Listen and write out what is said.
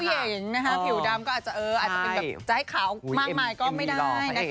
หญิงนะคะผิวดำก็อาจจะเอออาจจะเป็นแบบจะให้ขาวมากมายก็ไม่ได้นะคะ